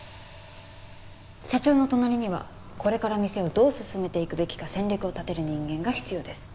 社長の隣にはこれから店をどう進めていくべきか戦略を立てる人間が必要です。